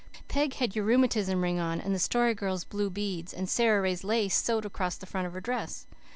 Peg had your rheumatism ring on and the Story Girl's blue beads and Sara Ray's lace soed across the front of her dress.